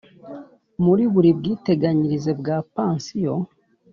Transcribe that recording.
Muri buri bwiteganyirize bwa pansiyo